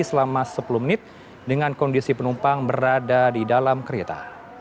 selama sepuluh menit dengan kondisi penumpang berada di dalam kereta